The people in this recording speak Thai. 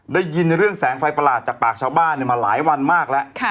ได้ยินเรื่องแสงไฟประหลาดจากปากชาวบ้านมาหลายวันมากแล้ว